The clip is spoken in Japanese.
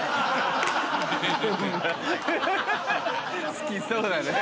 好きそうだね。